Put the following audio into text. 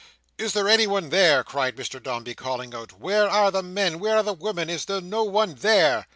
"Is there anybody there?" cried Mr Dombey, calling out. "Where are the men? where are the women? Is there no one there?"